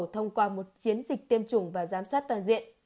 thông qua một chiến dịch tiêm chủng và giám sát toàn diện